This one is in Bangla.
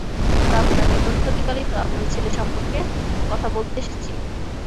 আমরা আপনার নিকট প্রতিপালিত আমাদের ছেলে সম্পর্কে কথা বলতে এসেছি।